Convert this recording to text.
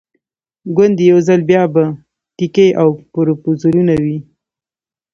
ګوندې یو ځل بیا به ټیکې او پروپوزلونه وي.